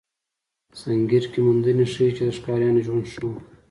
سنګیر کې موندنې ښيي، چې د ښکاریانو ژوند ښه و.